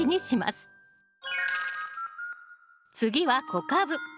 次は小カブ。